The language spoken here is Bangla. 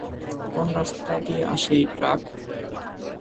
কোন রাস্তা দিয়ে আসে এই ট্রাক?